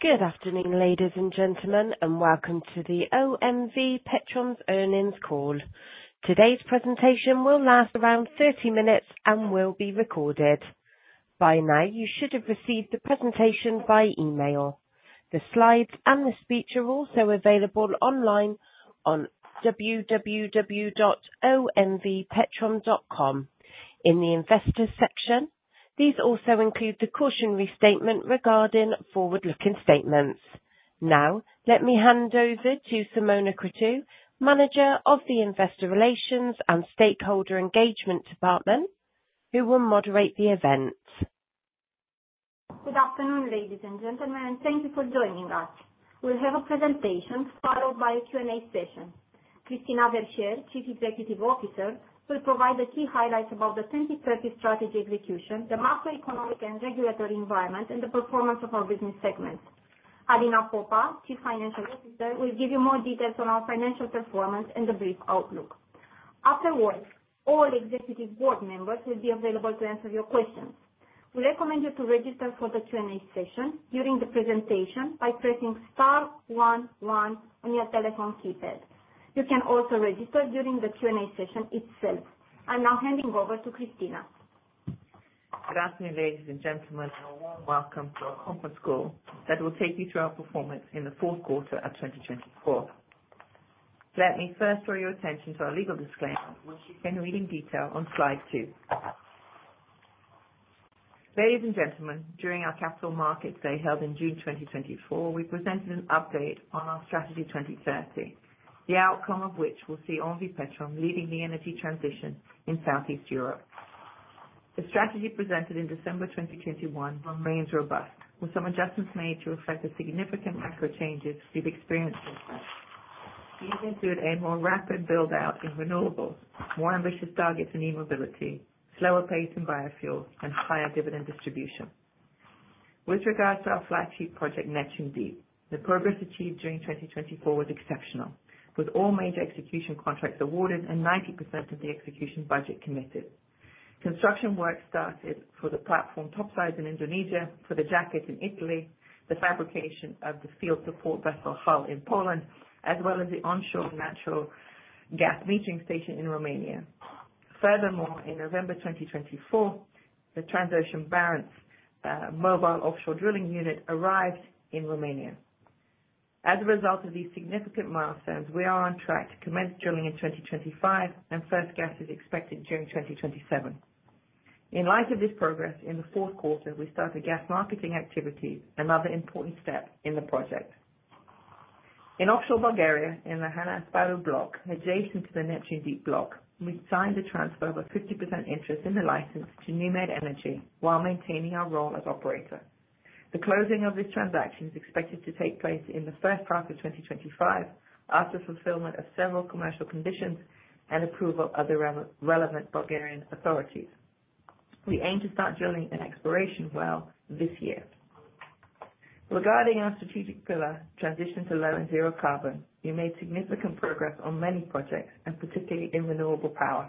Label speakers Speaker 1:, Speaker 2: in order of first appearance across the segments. Speaker 1: Good afternoon, ladies and gentlemen, and welcome to the OMV Petrom's Earnings Call. Today's presentation will last around 30 minutes and will be recorded. By now, you should have received the presentation by email. The slides and the speech are also available online on www.omvpetrom.com. In the investors' section, these also include the cautionary statement regarding forward-looking statements. Now, let me hand over to Simona Cruțu, Manager of the Investor Relations and Stakeholder Engagement Department, who will moderate the event.
Speaker 2: Good afternoon, ladies and gentlemen. Thank you for joining us. We'll have a presentation followed by a Q&A session. Christina Verchere, Chief Executive Officer, will provide the key highlights about the 2030 strategy execution, the macroeconomic and regulatory environment, and the performance of our business segment. Alina Popa, Chief Financial Officer, will give you more details on our financial performance and the brief outlook. Afterwards, all Executive Board members will be available to answer your questions. We recommend you to register for the Q&A session during the presentation by pressing star 11 on your telephone keypad. You can also register during the Q&A session itself. I'm now handing over to Christina.
Speaker 3: Good afternoon, ladies and gentlemen, and a warm welcome to our conference call that will take you through our performance in the fourth quarter of 2024. Let me first draw your attention to our legal disclaimer, which you can read in detail on slide two. Ladies and gentlemen, during our Capital Markets Day held in June 2024, we presented an update on our Strategy 2030, the outcome of which will see OMV Petrom leading the energy transition in Southeast Europe. The strategy presented in December 2021 remains robust, with some adjustments made to reflect the significant macro changes we've experienced so far. These include a more rapid build-out in renewables, more ambitious targets in e-mobility, slower pace in biofuel, and higher dividend distribution. With regards to our flagship project, Neptun Deep, the progress achieved during 2024 was exceptional, with all major execution contracts awarded and 90% of the execution budget committed. Construction work started for the platform topsides in Indonesia, for the jackets in Italy, the fabrication of the field support vessel hull in Poland, as well as the onshore natural gas metering station in Romania. Furthermore, in November 2024, the Transocean Barents mobile offshore drilling unit arrived in Romania. As a result of these significant milestones, we are on track to commence drilling in 2025, and first gas is expected during 2027. In light of this progress in the fourth quarter, we started gas marketing activity, another important step in the project. In offshore Bulgaria, in the Han Asparuh block adjacent to the Neptun Deep block, we signed the transfer of a 50% interest in the license to NewMed Energy while maintaining our role as operator. The closing of this transaction is expected to take place in the first half of 2025 after fulfillment of several commercial conditions and approval of the relevant Bulgarian authorities. We aim to start drilling and exploration well this year. Regarding our strategic pillar, transition to low and zero carbon, we made significant progress on many projects, and particularly in renewable power.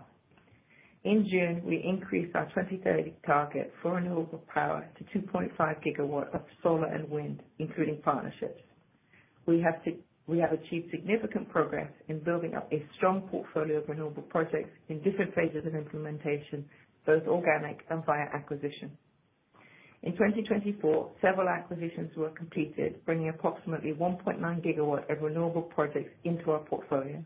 Speaker 3: In June, we increased our 2030 target for renewable power to 2.5 gigawatts of solar and wind, including partnerships. We have achieved significant progress in building up a strong portfolio of renewable projects in different phases of implementation, both organic and via acquisition. In 2024, several acquisitions were completed, bringing approximately 1.9 gigawatts of renewable projects into our portfolio.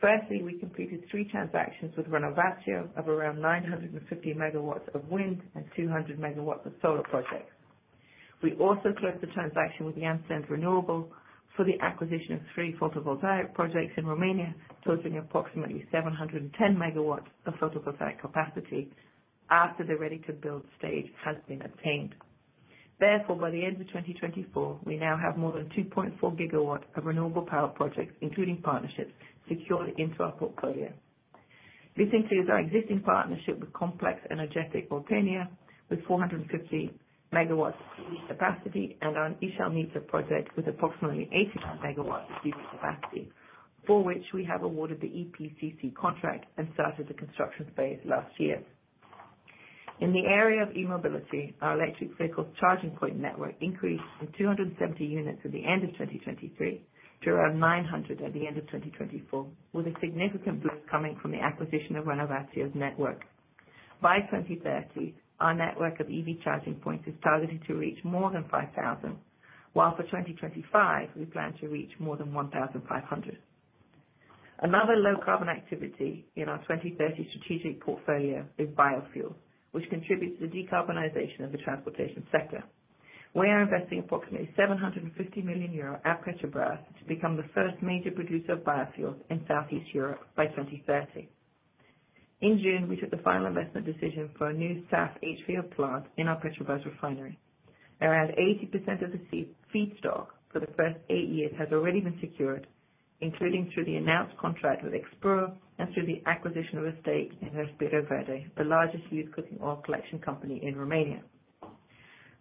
Speaker 3: Firstly, we completed three transactions with Renovatio of around 950 megawatts of wind and 200 megawatts of solar projects. We also closed the transaction with Jantzen Renewables for the acquisition of three photovoltaic projects in Romania, totaling approximately 710 megawatts of photovoltaic capacity after the ready-to-build stage has been attained. Therefore, by the end of 2024, we now have more than 2.4 gigawatts of renewable power projects, including partnerships, secured into our portfolio. This includes our existing partnership with Complexul Energetic Oltenia, with 450 megawatts of capacity, and our Ișalnița project with approximately 85 megawatts of capacity, for which we have awarded the EPCC contract and started the construction phase last year. In the area of e-mobility, our electric vehicle charging point network increased from 270 units at the end of 2023 to around 900 at the end of 2024, with a significant boost coming from the acquisition of Renovatio's network. By 2030, our network of EV charging points is targeted to reach more than 5,000, while for 2025, we plan to reach more than 1,500. Another low-carbon activity in our 2030 strategic portfolio is biofuel, which contributes to the decarbonization of the transportation sector. We are investing approximately 750 million euro at Petrobrazi to become the first major producer of biofuels in Southeast Europe by 2030. In June, we took the final investment decision for a new SAF HVO plant in our Petrobrazi refinery. Around 80% of the seed stock for the first eight years has already been secured, including through the announced contract with Expur and through the acquisition of a stake in Respiră Verde, the largest used cooking oil collection company in Romania.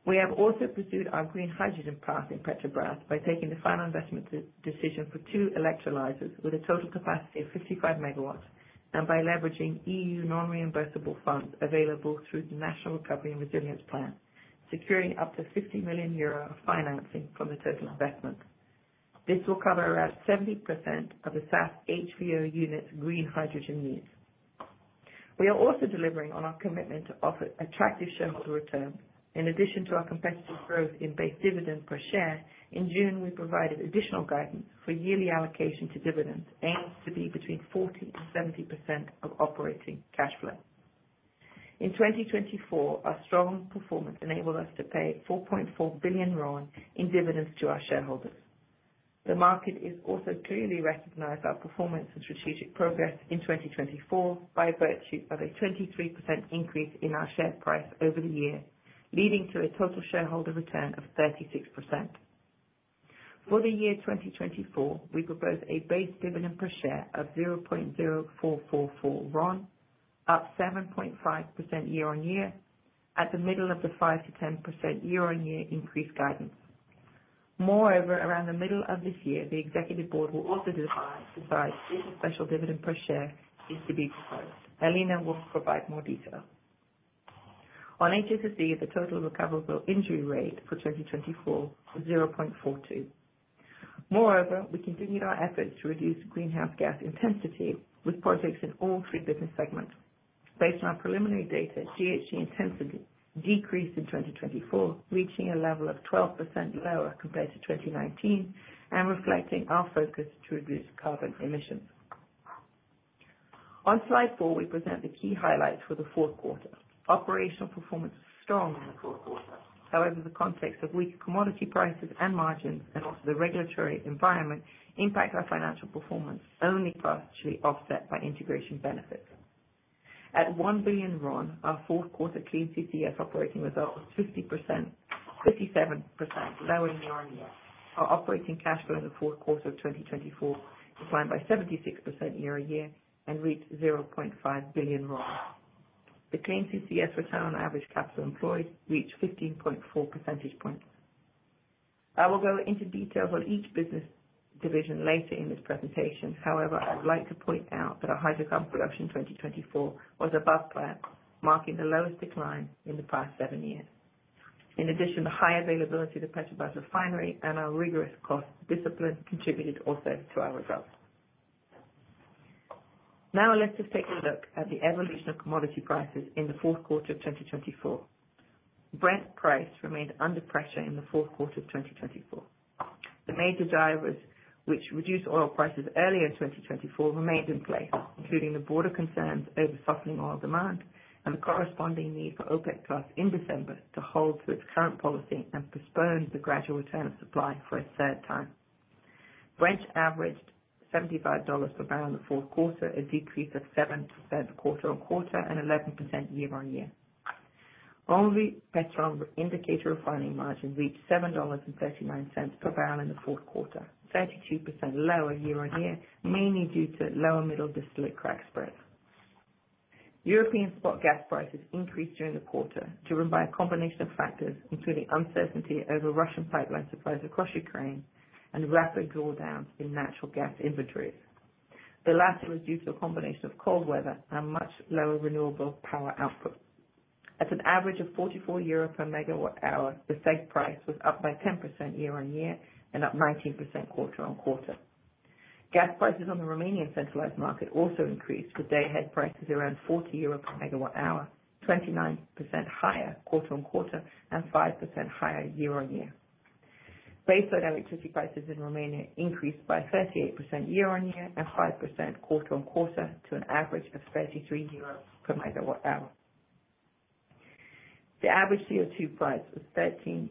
Speaker 3: We have also pursued our green hydrogen path in Petrobrazi by taking the final investment decision for two electrolyzers with a total capacity of 55 megawatts and by leveraging EU non-reimbursable funds available through the National Recovery and Resilience Plan, securing up to 50 million euro of financing from the total investment. This will cover around 70% of the SAF HVO unit's green hydrogen needs. We are also delivering on our commitment to offer attractive shareholder returns. In addition to our competitive growth in base dividend per share, in June, we provided additional guidance for yearly allocation to dividends, aimed to be between 40% and 70% of operating cash flow. In 2024, our strong performance enabled us to pay 4.4 billion in dividends to our shareholders. The market has also clearly recognized our performance and strategic progress in 2024 by virtue of a 23% increase in our share price over the year, leading to a total shareholder return of 36%. For the year 2024, we propose a base dividend per share of RON 0.0444, up 7.5% year-on-year, at the middle of the 5% to 10% year-on-year increase guidance. Moreover, around the middle of this year, the executive board will also decide if a special dividend per share is to be proposed. Alina will provide more detail. On HSSE, the total recoverable injury rate for 2024 was 0.42. Moreover, we continue our efforts to reduce greenhouse gas intensity with projects in all three business segments. Based on our preliminary data, GHG intensity decreased in 2024, reaching a level of 12% lower compared to 2019 and reflecting our focus to reduce carbon emissions. On slide four, we present the key highlights for the fourth quarter. Operational performance was strong in the fourth quarter. However, the context of weaker commodity prices and margins, and also the regulatory environment, impact our financial performance, only partially offset by integration benefits. At 1 billion, our fourth quarter clean CCS operating result was 57% lower year-on-year. Our operating cash flow in the fourth quarter of 2024 declined by 76% year-on-year and reached RON 0.5 billion. The clean CCS return on average capital employed reached 15.4 percentage points. I will go into details on each business division later in this presentation. However, I would like to point out that our hydrocarbon production in 2024 was above plan, marking the lowest decline in the past seven years. In addition, the high availability of the Petrobrazi refinery and our rigorous cost discipline contributed also to our results. Now, let's just take a look at the evolution of commodity prices in the fourth quarter of 2024. Brent price remained under pressure in the fourth quarter of 2024. The major drivers, which reduced oil prices earlier in 2024, remained in place, including the broader concerns over softening oil demand and the corresponding need for OPEC+ in December to hold to its current policy and postpone the gradual return of supply for a third time. Brent averaged $75 per barrel in the fourth quarter, a decrease of 7% quarter on quarter and 11% year-on-year. OMV Petrom's refining indicator margin reached $7.39 per barrel in the fourth quarter, 32% lower year-on-year, mainly due to lower middle distillate crack spread. European spot gas prices increased during the quarter, driven by a combination of factors, including uncertainty over Russian pipeline supplies across Ukraine and rapid drawdowns in natural gas inventories. The latter was due to a combination of cold weather and much lower renewable power output. At an average of 44 euro per megawatt hour, the spot price was up by 10% year-on-year and up 19% quarter on quarter. Gas prices on the Romanian centralized market also increased, with day-ahead prices around 40 euro per megawatt hour, 29% higher quarter on quarter and 5% higher year-on-year. Baseload electricity prices in Romania increased by 38% year-on-year and 5% quarter on quarter to an average of 33 euros per megawatt hour. The average CO2 price was 13%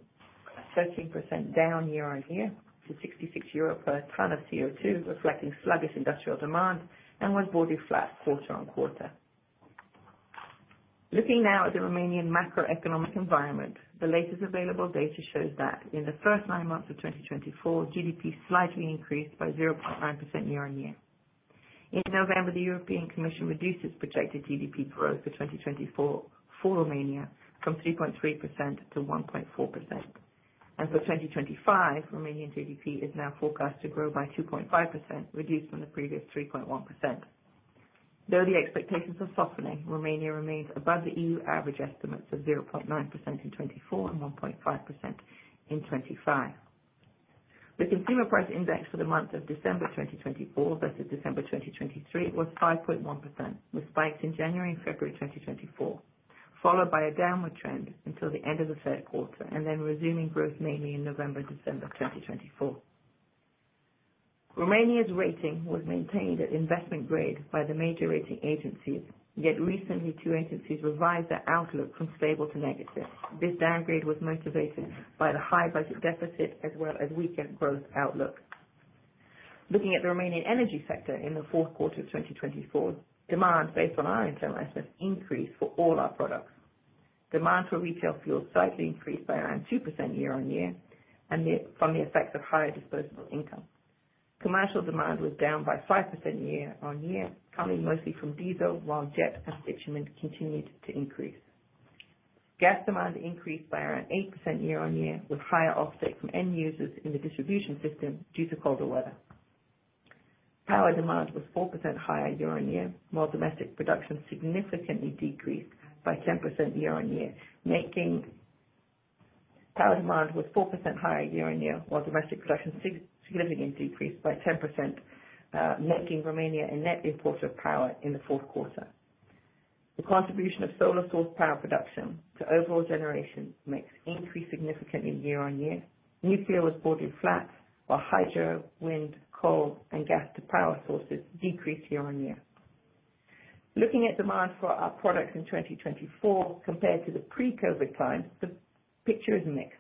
Speaker 3: down year-on-year to 66 euro per TON of CO2, reflecting sluggish industrial demand and was broadly flat quarter on quarter. Looking now at the Romanian macroeconomic environment, the latest available data shows that in the first nine months of 2024, GDP slightly increased by 0.9% year-on-year. In November, the European Commission reduced its projected GDP growth for 2024 for Romania from 3.3% to 1.4%, and for 2025, Romanian GDP is now forecast to grow by 2.5%, reduced from the previous 3.1%. Though the expectations are softening, Romania remains above the EU average estimates of 0.9% in 2024 and 1.5% in 2025. The consumer price index for the month of December 2024 versus December 2023 was 5.1%, with spikes in January and February 2024, followed by a downward trend until the end of the third quarter and then resuming growth mainly in November and December 2024. Romania's rating was maintained at investment grade by the major rating agencies, yet recently two agencies revised their outlook from stable to negative. This downgrade was motivated by the high budget deficit as well as weaker growth outlook. Looking at the Romanian energy sector in the fourth quarter of 2024, demand based on our internal estimates increased for all our products. Demand for retail fuel slightly increased by around 2% year-on-year from the effects of higher disposable income. Commercial demand was down by 5% year-on-year, coming mostly from diesel, while jet and bitumen continued to increase. Gas demand increased by around 8% year-on-year, with higher offtake from end users in the distribution system due to colder weather. Power demand was 4% higher year-on-year, while domestic production significantly decreased by 10% year-on-year. Power demand was 4% higher year-on-year, while domestic production significantly decreased by 10%, making Romania a net importer of power in the fourth quarter. The contribution of solar source power production to overall generation mix increased significantly year-on-year. Nuclear was broadly flat, while hydro, wind, coal, and gas-to-power sources decreased year-on-year. Looking at demand for our products in 2024 compared to the pre-COVID times, the picture is mixed.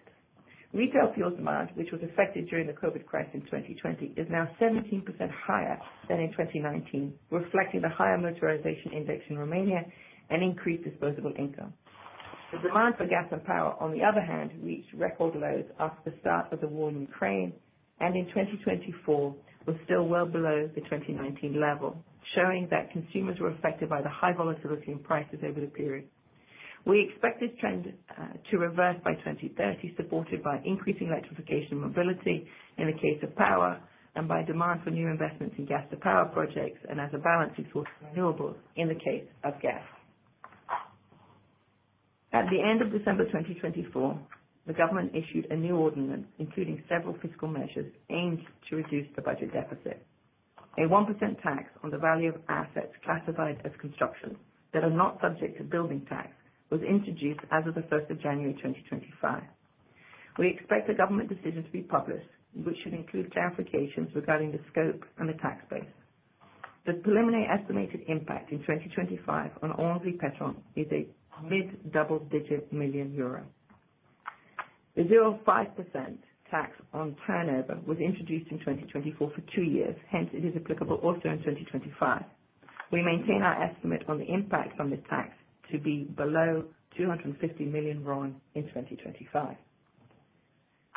Speaker 3: Retail fuel demand, which was affected during the COVID crisis in 2020, is now 17% higher than in 2019, reflecting the higher motorization index in Romania and increased disposable income. The demand for gas and power, on the other hand, reached record lows after the start of the war in Ukraine and in 2024 was still well below the 2019 level, showing that consumers were affected by the high volatility in prices over the period. We expect this trend to reverse by 2030, supported by increasing electrification and mobility in the case of power and by demand for new investments in gas-to-power projects and as a balance in source of renewables in the case of gas. At the end of December 2024, the government issued a new ordinance, including several fiscal measures aimed to reduce the budget deficit. A 1% tax on the value of assets classified as construction that are not subject to building tax was introduced as of the 1st of January 2025. We expect the government decision to be published, which should include clarifications regarding the scope and the tax base. The preliminary estimated impact in 2025 on OMV Petrom is a mid-double-digit million EUR. The 0.5% tax on turnover was introduced in 2024 for two years. Hence, it is applicable also in 2025. We maintain our estimate on the impact from the tax to be below 250 million in 2025.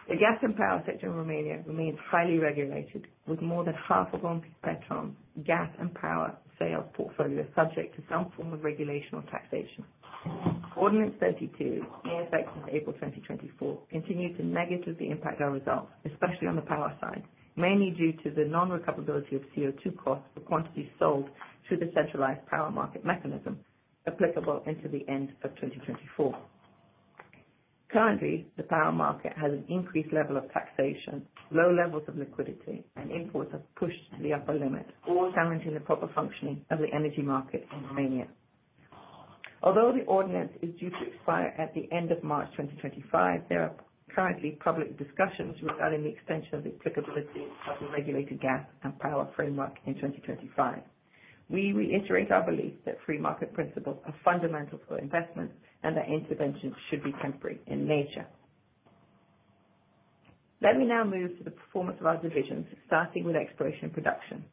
Speaker 3: The gas and power sector in Romania remains highly regulated, with more than half of OMV Petrom's gas and power sales portfolio subject to some form of regulation or taxation. Ordinance 32, in effect since April 2024, continues to negatively impact our results, especially on the power side, mainly due to the non-recoverability of CO2 costs for quantities sold through the centralized power market mechanism applicable until the end of 2024. Currently, the power market has an increased level of taxation, low levels of liquidity, and imports have pushed to the upper limit, all challenging the proper functioning of the energy market in Romania. Although the ordinance is due to expire at the end of March 2025, there are currently public discussions regarding the extension of the applicability of the regulated gas and power framework in 2025. We reiterate our belief that free market principles are fundamental for investment and that interventions should be temporary in nature. Let me now move to the performance of our divisions, starting with exploration and production.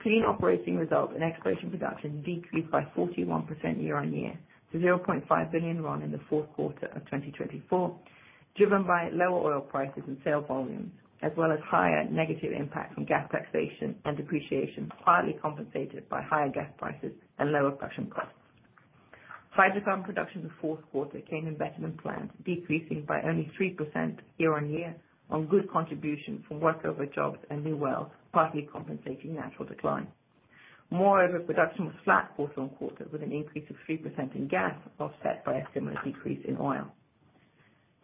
Speaker 3: Clean operating results in exploration and production decreased by 41% year-on-year to 0.5 billion in the fourth quarter of 2024, driven by lower oil prices and sales volumes, as well as higher negative impact from gas taxation and depreciation, partly compensated by higher gas prices and lower production costs. Hydrocarbon production in the fourth quarter came in better than planned, decreasing by only 3% year-on-year on good contribution from workover jobs and new wells, partly compensating natural decline. Moreover, production was flat quarter on quarter, with an increase of 3% in gas, offset by a similar decrease in oil.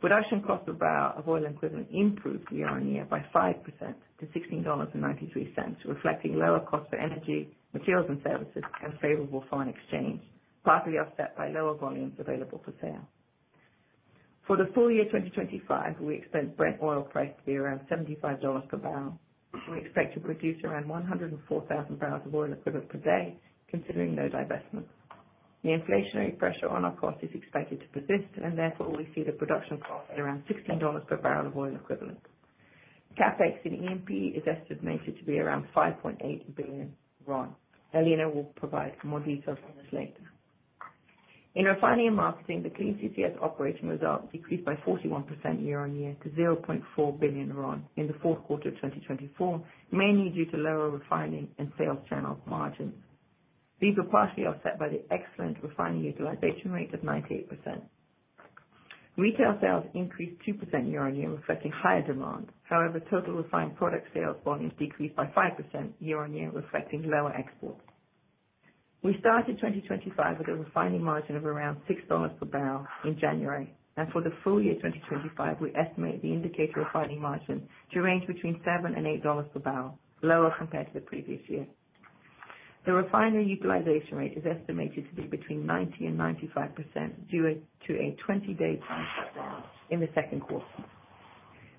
Speaker 3: Production cost per barrel of oil equivalent improved year-on-year by 5% to $16.93, reflecting lower costs for energy, materials, and services, and favorable foreign exchange, partly offset by lower volumes available for sale. For the full year 2025, we expect Brent oil price to be around $75 per barrel. We expect to produce around 104,000 barrels of oil equivalent per day, considering no divestments. The inflationary pressure on our costs is expected to persist, and therefore we see the production cost at around $16 per barrel of oil equivalent. CapEx in E&P is estimated to be around RON 5.8 billion. Alina will provide more details on this later. In refining and marketing, the clean CCS operating result decreased by 41% year-on-year to 0.4 billion in the fourth quarter of 2024, mainly due to lower refining and sales channel margins. These were partially offset by the excellent refining utilization rate of 98%. Retail sales increased 2% year-on-year, reflecting higher demand. However, total refined product sales volumes decreased by 5% year-on-year, reflecting lower exports. We started 2025 with a refining margin of around $6 per barrel in January, and for the full year 2025, we estimate the indicator refining margin to range between $7-$8 per barrel, lower compared to the previous year. The refinery utilization rate is estimated to be between 90%-95% due to a 20-day tie-in shutdown in the second quarter.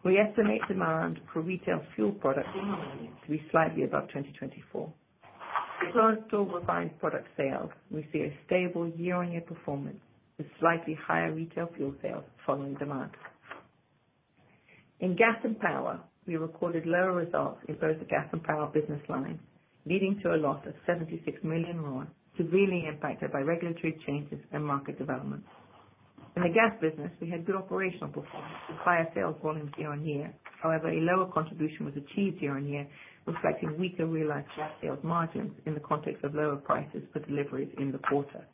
Speaker 3: We estimate demand for retail fuel products in Romania to be slightly above 2024. For total refined product sales, we see a stable year-on-year performance with slightly higher retail fuel sales following demand. In gas and power, we recorded lower results in both the gas and power business lines, leading to a loss of 76 million severely impacted by regulatory changes and market development. In the gas business, we had good operational performance with higher sales volumes year-on-year. However, a lower contribution was achieved year-on-year, reflecting weaker realized gas sales margins in the context of lower prices for deliveries in the quarter.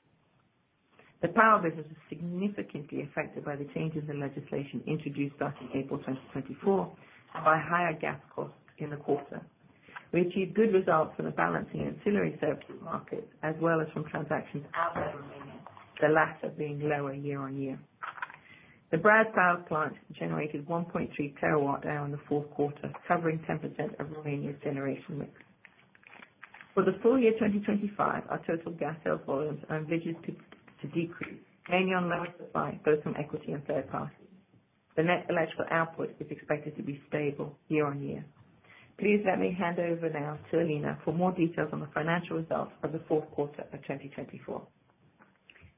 Speaker 3: The power business was significantly affected by the changes in legislation introduced starting April 2024 and by higher gas costs in the quarter. We achieved good results from the balancing ancillary services markets as well as from transactions outside Romania, the latter being lower year-on-year. The Brazi Power Plant generated 1.3 terawatt-hours in the fourth quarter, covering 10% of Romania's generation mix. For the full year 2025, our total gas sales volumes are envisaged to decrease, mainly on lower supply both from equity and third parties. The net electrical output is expected to be stable year-on-year. Please let me hand over now to Alina for more details on the financial results of the fourth quarter of 2024.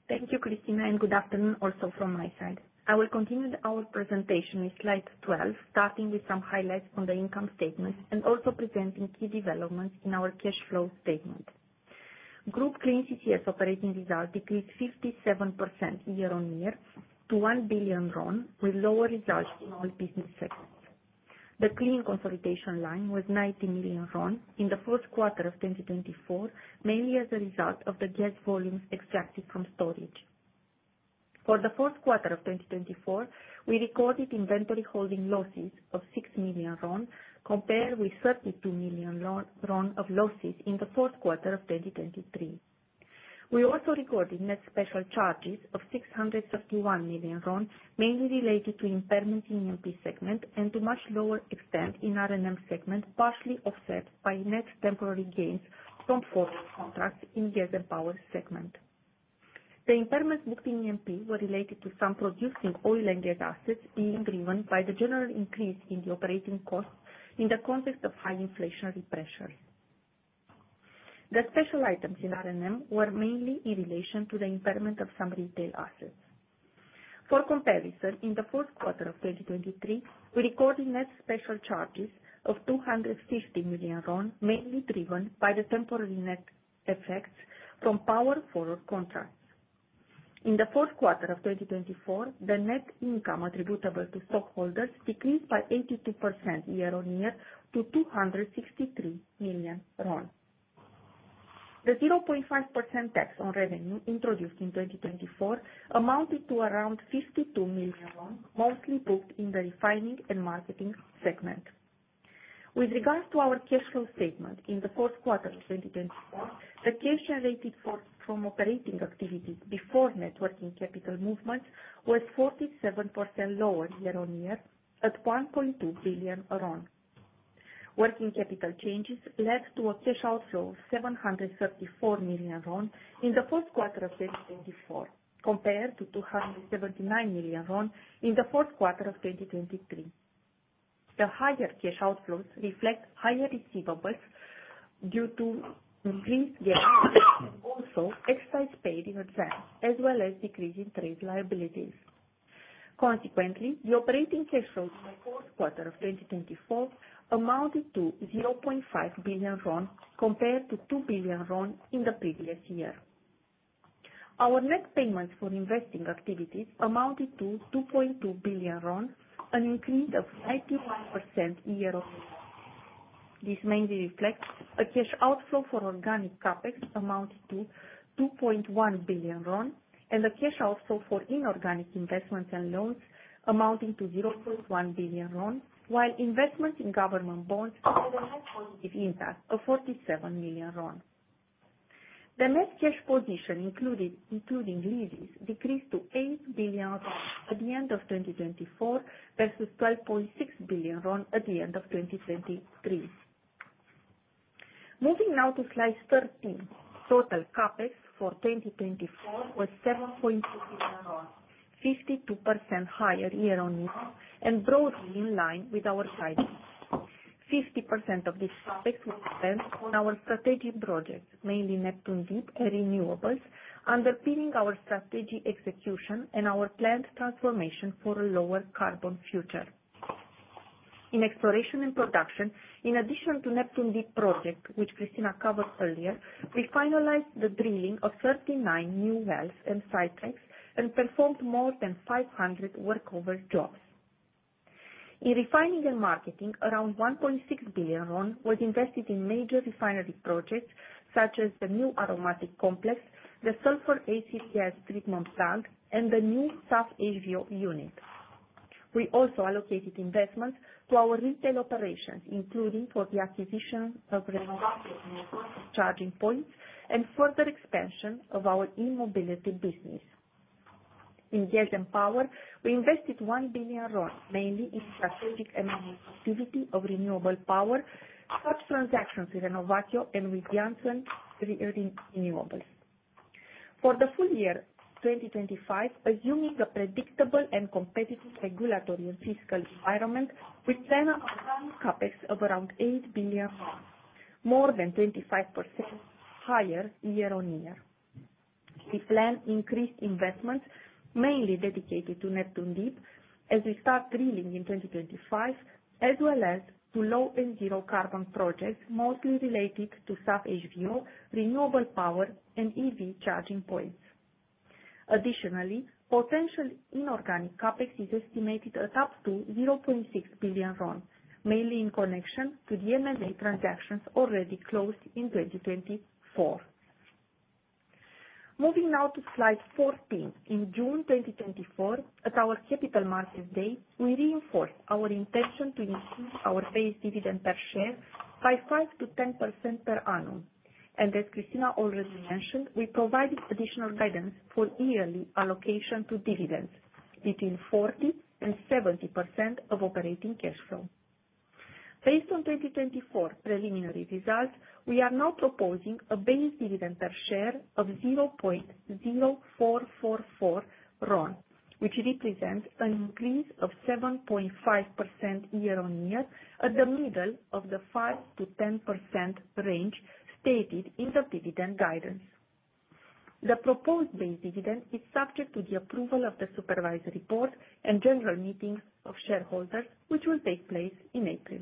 Speaker 3: Thank you, Christina, and good afternoon also from my side. I will continue our presentation with slide 12, starting with some highlights on the income statement and also presenting key developments in our cash flow statement. Group clean CCS operating result decreased 57% year-on-year to 1 billion, with lower results in all business segments. The clean consolidation line was 90 million in the fourth quarter of 2024, mainly as a result of the gas volumes extracted from storage. For the fourth quarter of 2024, we recorded inventory holding losses of 6 million compared with 32 million of losses in the fourth quarter of 2023. We also recorded net special charges of 631 million, mainly related to impairments in EMP segment and to much lower extent in R&M segment, partially offset by net temporary gains from forward contracts in gas and power segment. The impairments booked in EMP were related to some producing oil and gas assets being driven by the general increase in the operating costs in the context of high inflationary pressures. The special items in R&M were mainly in relation to the impairment of some retail assets. For comparison, in the fourth quarter of 2023, we recorded net special charges of 250 million, mainly driven by the temporary net effects from power forward contracts. In the fourth quarter of 2024, the net income attributable to stockholders decreased by 82% year-on-year to 263 million. The 0.5% tax on revenue introduced in 2024 amounted to around 52 million, mostly booked in the refining and marketing segment. With regards to our cash flow statement in the fourth quarter of 2024, the cash generated from operating activity before net working capital movements was 47% lower year-on-year at 1.2 billion. Working capital changes led to a cash outflow of 734 million in the fourth quarter of 2024, compared to 279 million in the fourth quarter of 2023. The higher cash outflows reflect higher receivables due to increased gas production, also excise paid in advance, as well as decrease in trade liabilities. Consequently, the operating cash flow in the fourth quarter of 2024 amounted to 0.5 billion compared to 2 billion in the previous year. Our net payments for investing activities amounted to 2.2 billion, an increase of 91% year-on-year. This mainly reflects a cash outflow for organic CapEx amounting to 2.1 billion and a cash outflow for inorganic investments and loans amounting to 0.1 billion, while investments in government bonds had a net positive impact of 47 million. The net cash position, including leases, decreased to 8 billion at the end of 2024 versus 12.6 billion at the end of 2023. Moving now to slide 13, total CapEx for 2024 was 7.2 billion, 52% higher year-on-year and broadly in line with our guidance. 50% of this CapEx was spent on our strategic projects, mainly Neptun Deep and renewables, underpinning our strategic execution and our planned transformation for a lower carbon future. In exploration and production, in addition to Neptun Deep project, which Christina covered earlier, we finalized the drilling of 39 new wells and sidetracks and performed more than 500 workover jobs. In refining and marketing, around EUR 1.6 billion was invested in major refinery projects such as the new aromatic complex, the sulfur ACCS treatment plant, and the new SAF/HVO unit. We also allocated investments to our retail operations, including for the acquisition of Renovatio's network of charging points and further expansion of our e-mobility business. In gas and power, we invested 1 billion, mainly in strategic M&A activity of renewable power, sub-transactions with Renovatio and with Jantzen Renewables. For the full year 2025, assuming a predictable and competitive regulatory and fiscal environment, we plan on CapEx of around 8 billion, more than 25% higher year-on-year. We plan increased investments, mainly dedicated to Neptun Deep, as we start drilling in 2025, as well as to low and zero carbon projects mostly related to SAF/HVO, renewable power and EV charging points. Additionally, potential inorganic CapEx is estimated at up to 0.6 billion, mainly in connection to the M&A transactions already closed in 2024. Moving now to slide 14, in June 2024, at our capital market day, we reinforced our intention to increase our base dividend per share by 5%-10% per annum, and as Christina already mentioned, we provided additional guidance for yearly allocation to dividends between 40% and 70% of operating cash flow. Based on 2024 preliminary results, we are now proposing a base dividend per share of 0.0444, which represents an increase of 7.5% year-on-year at the middle of the 5%-10% range stated in the dividend guidance. The proposed base dividend is subject to the approval of the statutory report and general meeting of shareholders, which will take place in April.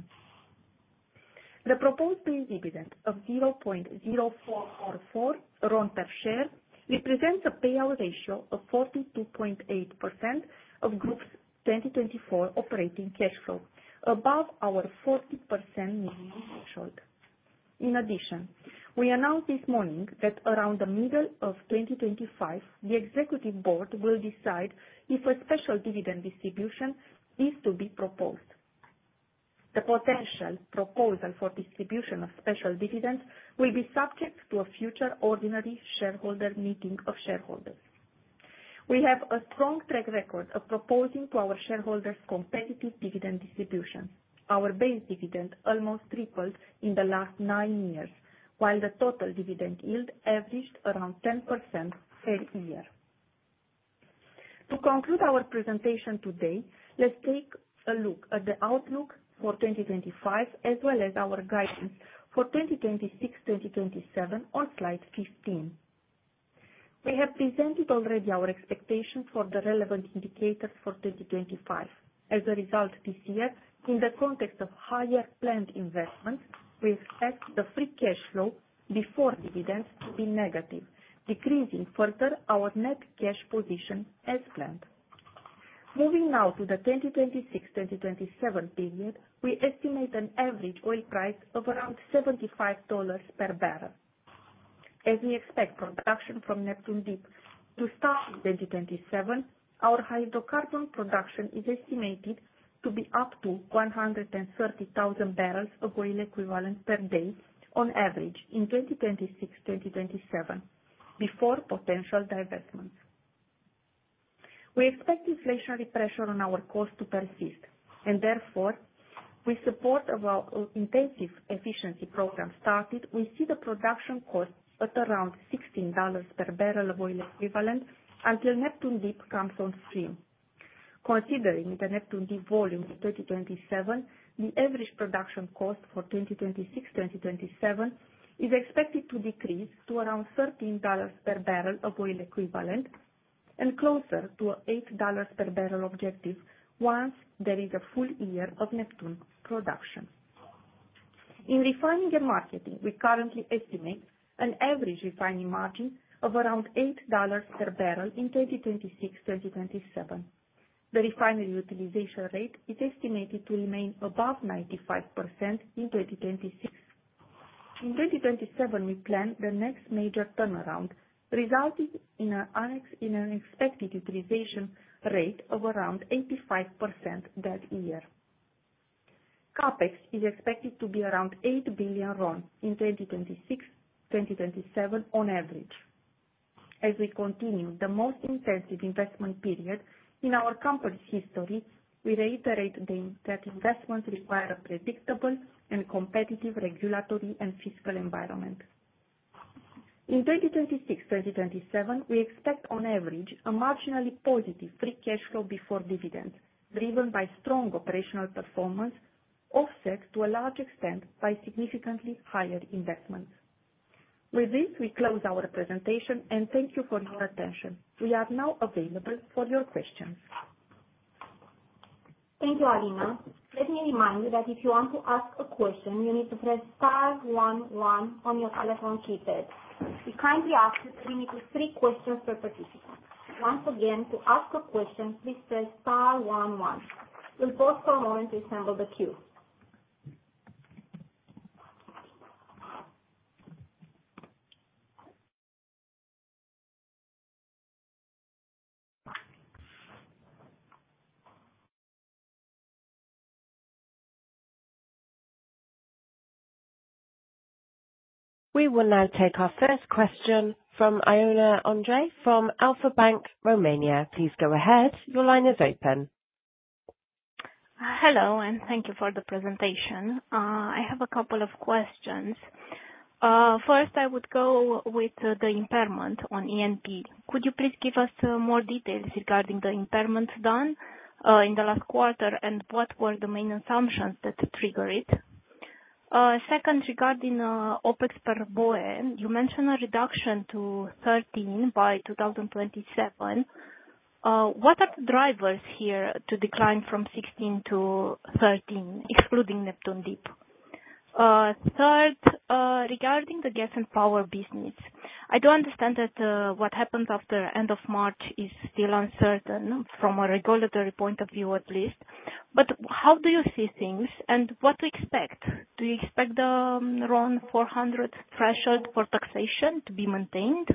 Speaker 3: The proposed base dividend of 0.0444 per share represents a payout ratio of 42.8% of the Group's 2024 operating cash flow, above our 40% minimum threshold. In addition, we announced this morning that around the middle of 2025, the executive board will decide if a special dividend distribution is to be proposed. The potential proposal for distribution of special dividends will be subject to a future ordinary shareholder meeting of shareholders. We have a strong track record of proposing to our shareholders competitive dividend distributions. Our base dividend almost tripled in the last nine years, while the total dividend yield averaged around 10% per year. To conclude our presentation today, let's take a look at the outlook for 2025, as well as our guidance for 2026-2027 on slide 15. We have presented already our expectations for the relevant indicators for 2025. As a result, this year, in the context of higher planned investments, we expect the free cash flow before dividends to be negative, decreasing further our net cash position as planned. Moving now to the 2026-2027 period, we estimate an average oil price of around $75 per barrel. As we expect production from Neptun Deep to start in 2027, our hydrocarbon production is estimated to be up to 130,000 barrels of oil equivalent per day on average in 2026-2027, before potential divestments. We expect inflationary pressure on our costs to persist, and therefore, with support of our intensive efficiency program started, we see the production costs at around $16 per barrel of oil equivalent until Neptun Deep comes on stream. Considering the Neptun Deep volume in 2027, the average production cost for 2026-2027 is expected to decrease to around $13 per barrel of oil equivalent and closer to a $8 per barrel objective once there is a full year of Neptun production. In refining and marketing, we currently estimate an average refining margin of around $8 per barrel in 2026-2027. The refinery utilization rate is estimated to remain above 95% in 2026. In 2027, we plan the next major turnaround, resulting in an expected utilization rate of around 85% that year. CapEx is expected to be around 8 billion in 2026-2027 on average. As we continue the most intensive investment period in our company's history, we reiterate that investments require a predictable and competitive regulatory and fiscal environment. In 2026-2027, we expect on average a marginally positive free cash flow before dividends, driven by strong operational performance offset to a large extent by significantly higher investments. With this, we close our presentation, and thank you for your attention. We are now available for your questions.
Speaker 2: Thank you, Alina. Let me remind you that if you want to ask a question, you need to press star one one on your telephone keypad. We kindly ask you to repeat three questions per participant. Once again, to ask a question, please press star one one. We'll pause for a moment to assemble the queue. We will now take our first question from Ioana Andrei from Alpha Bank Romania. Please go ahead. Your line is open.
Speaker 4: Hello, and thank you for the presentation. I have a couple of questions. First, I would go with the impairment on ENP. Could you please give us more details regarding the impairment done in the last quarter, and what were the main assumptions that triggered it? Second, regarding OPEX per BOE, you mentioned a reduction to 13 by 2027. What are the drivers here to decline from 16 to 13, excluding Neptun Deep? Third, regarding the gas and power business, I do understand that what happens after the end of March is still uncertain from a regulatory point of view, at least. But how do you see things, and what to expect? Do you expect the RON 400 threshold for taxation to be maintained?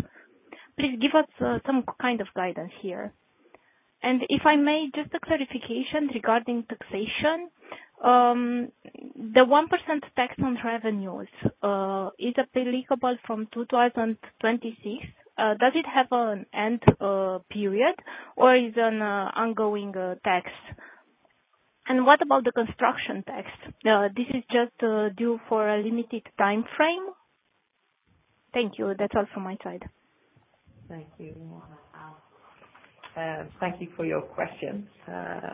Speaker 4: Please give us some kind of guidance here. And if I may, just a clarification regarding taxation. The 1% tax on revenues is applicable from 2026. Does it have an end period, or is it an ongoing tax? And what about the construction tax? This is just due for a limited time frame. Thank you. That's all from my side.
Speaker 3: Thank you. Thank you for your questions.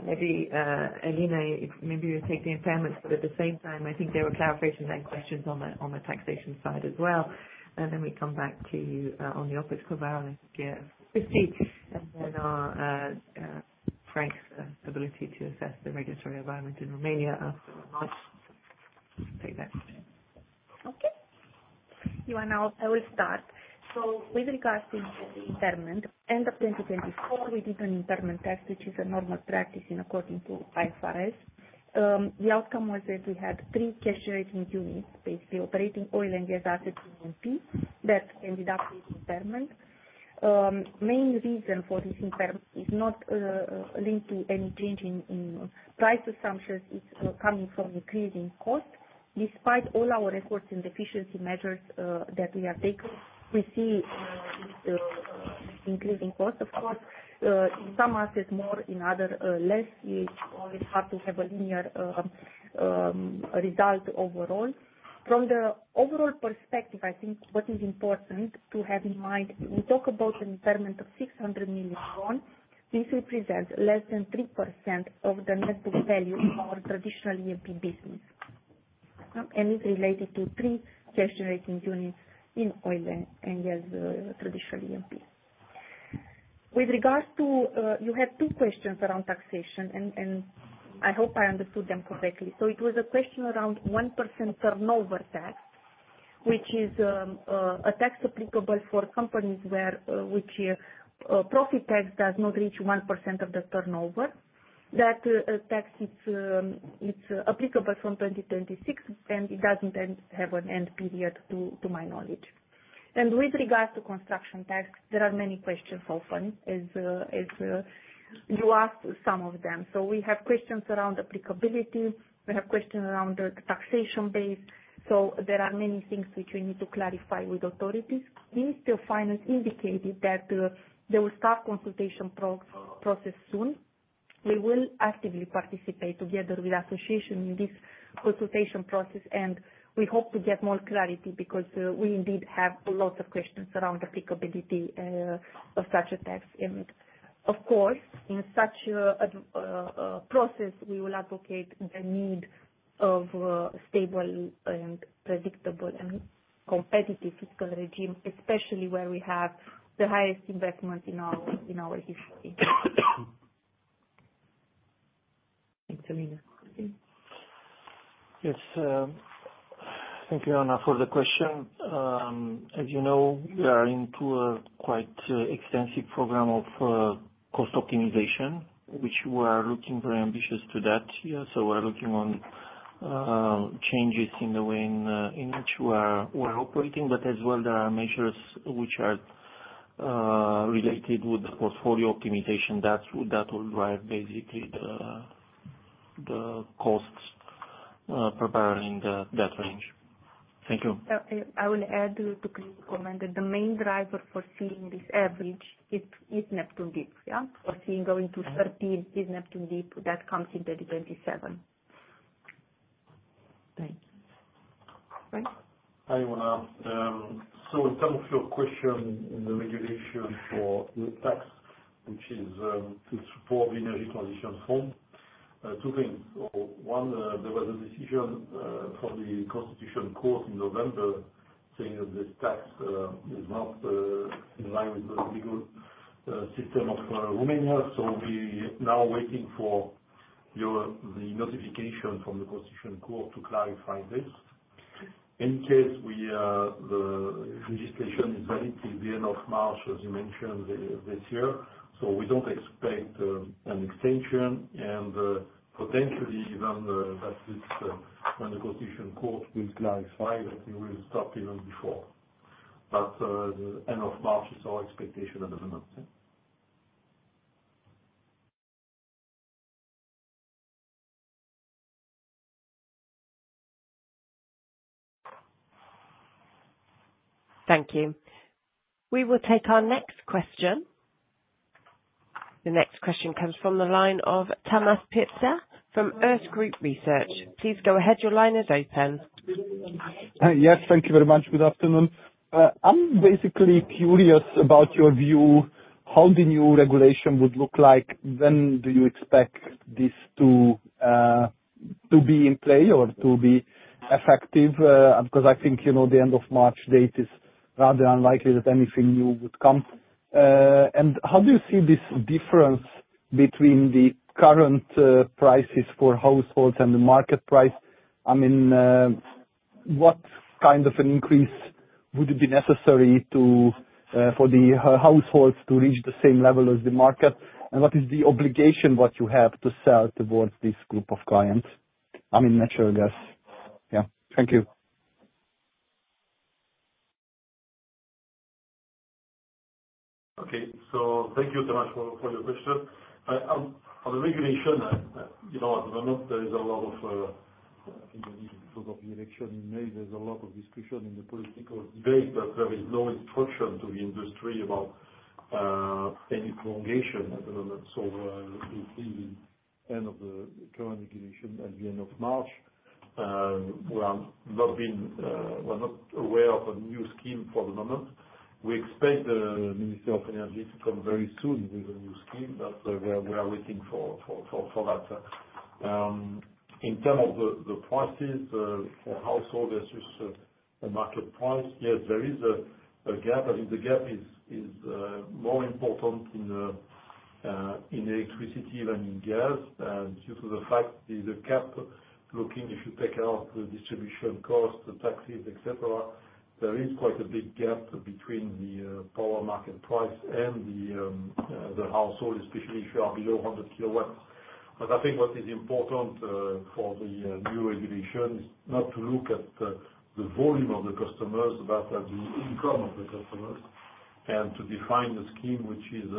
Speaker 3: Maybe, Alina, maybe we'll take the impairment, but at the same time, I think there were clarifications and questions on the taxation side as well. And then we come back to you on the OpEx per barrel and CPS, and then our Frank's ability to assess the regulatory environment in Romania after March. Take that question.
Speaker 5: Okay. I will start. So with regards to the impairment, end of 2024, we did an impairment test, which is a normal practice in accordance with IFRS. The outcome was that we had three cash-generating units, basically operating oil and gas assets in ENP, that ended up with impairment. Main reason for this impairment is not linked to any change in price assumptions. It's coming from increasing cost. Despite all our efforts and efficiency measures that we have taken, we see increasing costs, of course. In some assets, more, in others, less. It's hard to have a linear result overall. From the overall perspective, I think what is important to have in mind, we talk about an impairment of 600 million. This represents less than 3% of the net book value of our traditional E&P business, and it's related to three cash-generating units in oil and gas traditional E&P. With regards to, you had two questions around taxation, and I hope I understood them correctly. So it was a question around 1% turnover tax, which is a tax applicable for companies where profit tax does not reach 1% of the turnover. That tax is applicable from 2026, and it doesn't have an end period to my knowledge. And with regards to construction tax, there are many questions often, as you asked some of them. So we have questions around applicability. We have questions around the taxation base. So there are many things which we need to clarify with authorities. The Ministry of Finance indicated that they will start consultation process soon. We will actively participate together with the association in this consultation process, and we hope to get more clarity because we indeed have lots of questions around applicability of such a tax. And of course, in such a process, we will advocate the need of a stable and predictable and competitive fiscal regime, especially where we have the highest investment in our history.
Speaker 4: Thanks, Alina.
Speaker 6: Yes. Thank you, Alina, for the question. As you know, we are into a quite extensive program of cost optimization, which we are looking very ambitious to that. So we're looking on changes in the way in which we're operating, but as well, there are measures which are related with the portfolio optimization. That will drive basically the costs per barrel in that range. Thank you.
Speaker 5: I will add to Christina's comment that the main driver for seeing this average is Neptun Deep. For seeing going to 13 is Neptun Deep. That comes in 2027.
Speaker 3: Thank you. Frank?
Speaker 6: I want to ask. So in terms of your question in the regulation for the tax, which is to support the energy transition fund, two things. One, there was a decision from the Constitutional Court in November saying that this tax is not in line with the legal system of Romania. So we are now waiting for the notification from the Constitutional Court to clarify this. In case the legislation is valid till the end of March, as you mentioned, this year. So we don't expect an extension, and potentially even that's when the Constitutional Court will clarify that we will stop even before. But the end of March is our expectation at the moment.
Speaker 1: Thank you. We will take our next question. The next question comes from the line of Tamás Pletser from Erste Group. Please go ahead. Your line is open.
Speaker 7: Yes. Thank you very much. Good afternoon. I'm basically curious about your view, how the new regulation would look like. When do you expect this to be in play or to be effective? Because I think the end of March date is rather unlikely that anything new would come. How do you see this difference between the current prices for households and the market price? I mean, what kind of an increase would be necessary for the households to reach the same level as the market? And what is the obligation that you have to sell towards this group of clients? I mean, natural gas. Yeah. Thank you.
Speaker 6: Okay. So thank you so much for your question. On the regulation, at the moment, there is a lot of, I think the reason because of the election in May, there's a lot of discussion in the political debate, but there is no instruction to the industry about any prolongation at the moment. So we'll see the end of the current regulation at the end of March. We have not been aware of a new scheme for the moment. We expect the Ministry of Energy to come very soon with a new scheme, but we are waiting for that. In terms of the prices for households versus the market price, yes, there is a gap. I think the gap is more important in electricity than in gas due to the fact that the gap, looking if you take out the distribution cost, the taxes, etc., there is quite a big gap between the power market price and the household, especially if you are below 100 kilowatts. But I think what is important for the new regulation is not to look at the volume of the customers, but at the income of the customers, and to define the scheme which is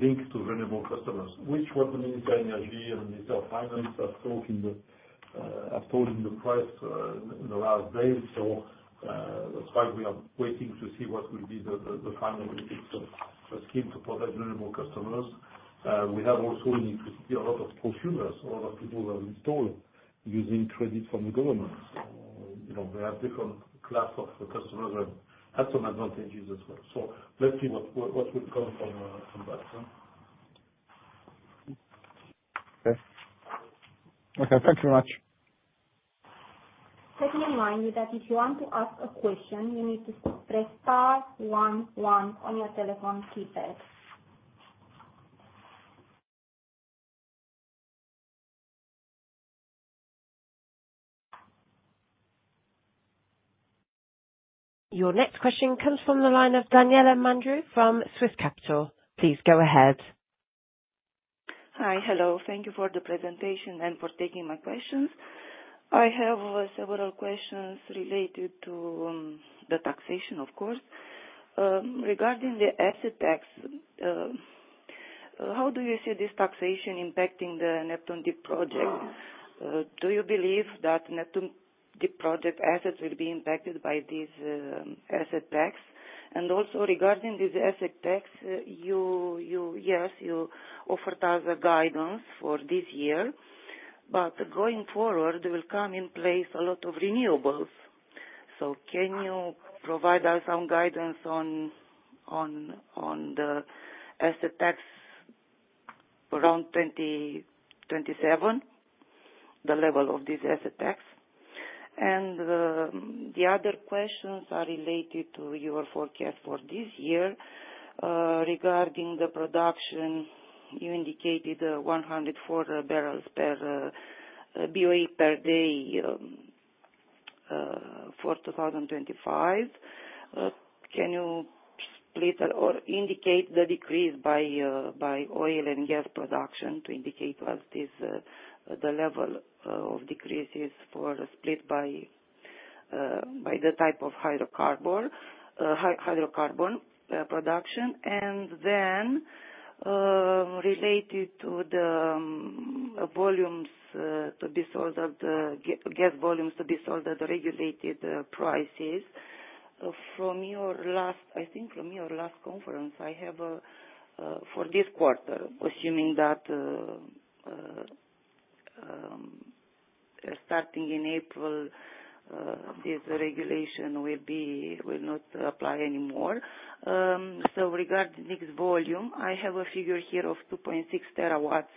Speaker 6: linked to vulnerable customers, which is what the Ministry of Energy and the Ministry of Finance have told in the press in the last days. So that's why we are waiting to see what will be the final scheme to protect renewable customers. We have also in equity a lot of consumers, a lot of people who have installed using credit from the government. So they have different classes of customers and have some advantages as well. So let's see what will come from that.
Speaker 1: Okay. Okay. Thank you very much. Taking in mind that if you want to ask a question, you need to press *11 on your telephone keypad. Your next question comes from the line of Daniela Mândru from Swiss Capital. Please go ahead.
Speaker 8: Hi. Hello. Thank you for the presentation and for taking my questions. I have several questions related to the taxation, of course. Regarding the asset tax, how do you see this taxation impacting the Neptun Deep project? Do you believe that Neptun Deep project assets will be impacted by this asset tax? And also regarding this asset tax, yes, you offered us a guidance for this year, but going forward, there will come in place a lot of renewables. So can you provide us some guidance on the asset tax around 2027, the level of this asset tax? And the other questions are related to your forecast for this year regarding the production. You indicated 104 barrels per BOE per day for 2025. Can you split or indicate the decrease by oil and gas production to indicate what the level of decrease is for split by the type of hydrocarbon production, and then related to the volumes to be sold, gas volumes to be sold at the regulated prices? From your last, I think from your last conference, I have for this quarter, assuming that starting in April, this regulation will not apply anymore. So regarding this volume, I have a figure here of 2.6 terawatts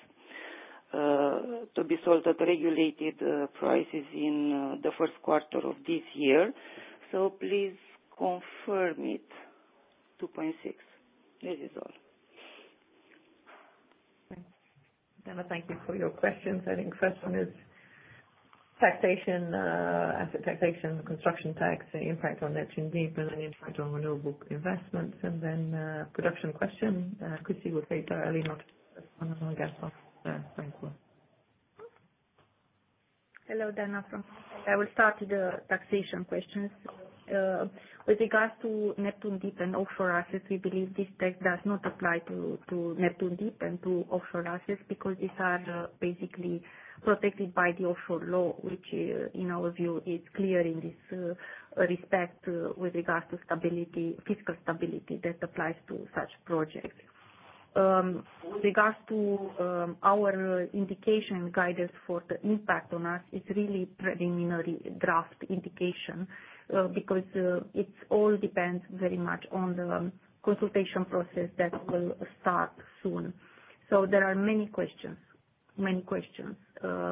Speaker 8: to be sold at regulated prices in the first quarter of this year. So please confirm it. 2.6. That is all.
Speaker 3: Thank you. Thank you for your questions. I think the question is taxation, asset taxation, construction tax, the impact on Neptun Deep, and then the impact on renewable investments, and then production question. Christina will take that. Alina, that's all. Thank you.
Speaker 5: Hello, Daniela. I will start with the taxation questions. With regards to Neptun Deep and offshore assets, we believe this tax does not apply to Neptun Deep and to offshore assets because these are basically protected by the offshore law, which in our view is clear in this respect with regards to fiscal stability that applies to such projects. With regards to our indication guidance for the impact on us, it's really preliminary draft indication because it all depends very much on the consultation process that will start soon. So there are many questions, many questions,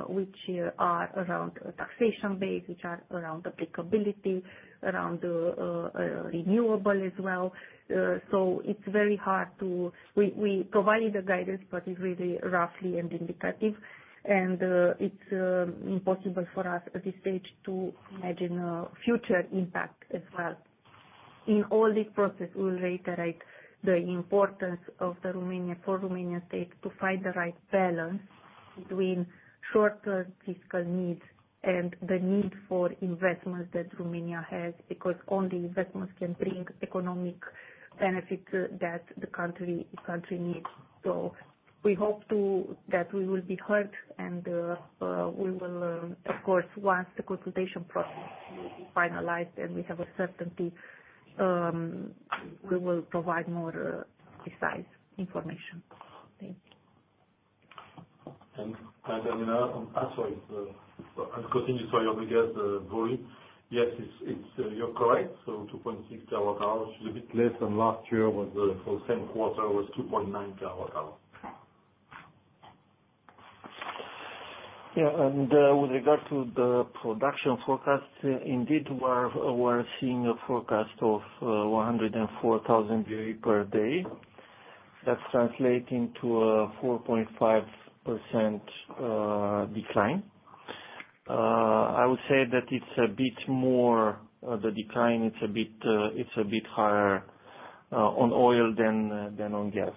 Speaker 5: which are around taxation base, which are around applicability, around renewable as well. So it's very hard to provide the guidance, but it's really roughly and indicative, and it's impossible for us at this stage to imagine a future impact as well. In all this process, we will reiterate the importance for Romania's state to find the right balance between short-term fiscal needs and the need for investments that Romania has because only investments can bring economic benefits that the country needs. So we hope that we will be heard, and we will, of course, once the consultation process will be finalized and we have a certainty, we will provide more precise information.
Speaker 6: Thank you. And Daniela, I'll continue to your volume. Yes, you're correct. So 2.6 terawatt-hours is a bit less than last year for the same quarter was 2.9 terawatt-hours. Yeah. And with regard to the production forecast, indeed, we're seeing a forecast of 104,000 BOE per day. That's translating to a 4.5% decline. I would say that it's a bit more of the decline. It's a bit higher on oil than on gas.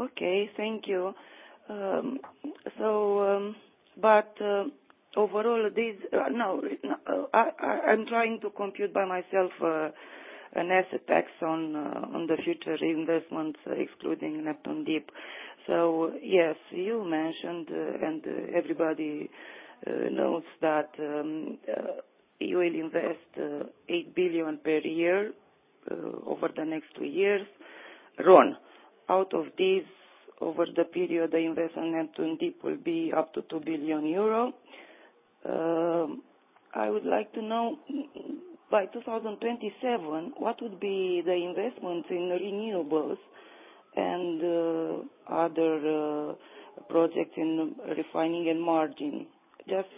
Speaker 8: Okay. Thank you. But overall, no, I'm trying to compute by myself an asset tax on the future reinvestments, excluding Neptun Deep. So yes, you mentioned, and everybody knows that you will invest RON 8 billion per year over the next two years. RON, out of this, over the period, the investment in Neptun Deep will be up to 2 billion euro. I would like to know, by 2027, what would be the investments in renewables and other projects in refining and margin? Just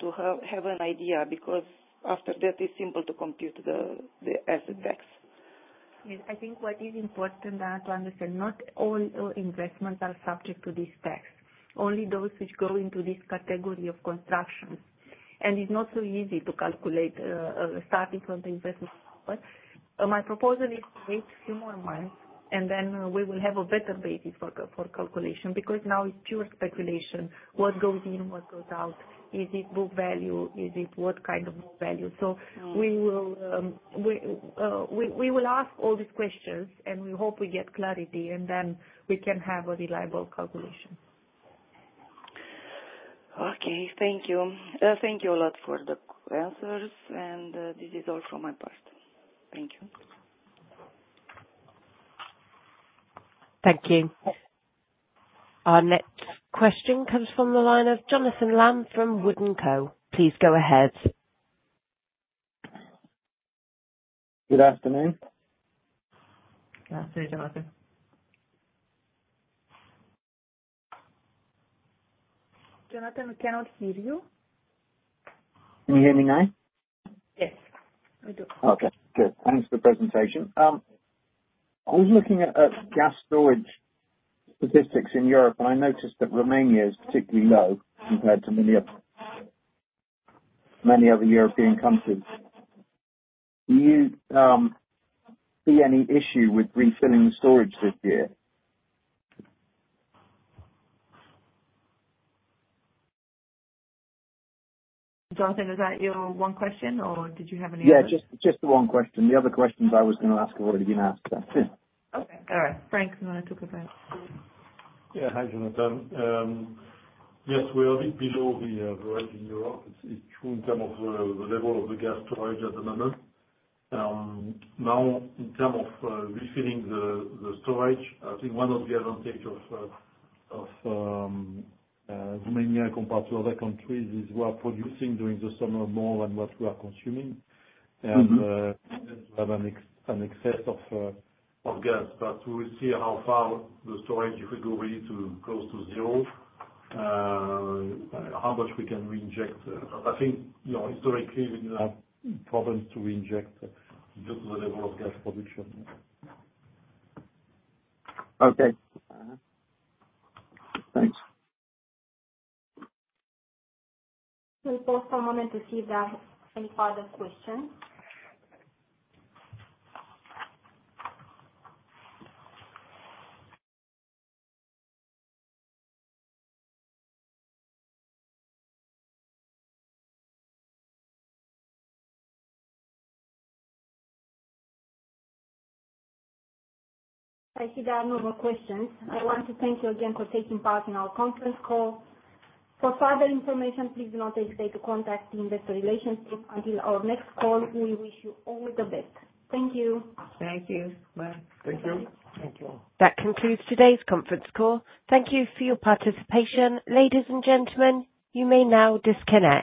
Speaker 8: to have an idea because after that, it's simple to compute the asset tax.
Speaker 5: I think what is important to understand, not all investments are subject to this tax. Only those which go into this category of construction. And it's not so easy to calculate starting from the investment. My proposal is to wait a few more months, and then we will have a better basis for calculation because now it's pure speculation. What goes in, what goes out? Is it book value? Is it what kind of book value? So we will ask all these questions, and we hope we get clarity, and then we can have a reliable calculation.
Speaker 8: Okay. Thank you. Thank you a lot for the answers, and this is all from my part. Thank you.
Speaker 5: Thank you.
Speaker 1: Our next question comes from the line of Jonathan Lamb from Wood & Co. Please go ahead.
Speaker 9: Good afternoon.
Speaker 3: Good afternoon, Jonathan.
Speaker 5: Jonathan, we cannot hear you.
Speaker 9: Can you hear me now?
Speaker 3: Yes.
Speaker 5: We do.
Speaker 9: Okay. Good. Thanks for the presentation. I was looking at gas storage statistics in Europe, and I noticed that Romania is particularly low compared to many other European countries. Do you see any issue with refilling the storage this year? Jonathan, is that your one question, or did you have any other? Yeah. Just the one question. The other questions I was going to ask have already been asked.
Speaker 3: Okay. All right. Frank, you want to talk about it.
Speaker 6: Yeah. Hi, Jonathan. Yes, we are a bit below the average in Europe. It's true in terms of the level of the gas storage at the moment. Now, in terms of refilling the storage, I think one of the advantages of Romania compared to other countries is we are producing during the summer more than what we are consuming, and we have an excess of gas. But we will see how far the storage if we go really close to zero, how much we can reinject. I think historically, we have problems to reinject due to the level of gas production.
Speaker 9: Okay. Thanks.
Speaker 2: So for a moment, to see if there are any further questions. I see there are no more questions. I want to thank you again for taking part in our conference call. For further information, please do not hesitate to contact the investor relations team until our next call. We wish you all the best. Thank you.
Speaker 5: Thank you. Bye.
Speaker 6: Thank you.
Speaker 3: Thank you.
Speaker 1: That concludes today's conference call. Thank you for your participation. Ladies and gentlemen, you may now disconnect.